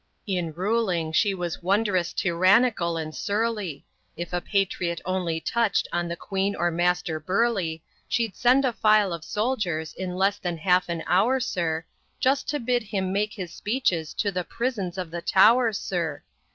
In ruling she was wonderous tyrannical and surly; If a patriot only touch'd on the Queen or Master Burleigh, She'd send a file of soldiers in less than half an hour, sir, Just to bid him make his speeches to the prisons of the Tow'r, sir!